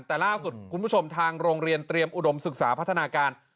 แต่ล่าสุดคุณผู้ชมทางโรงเรียนเตรียมอุดมศึกษาพัฒนาการ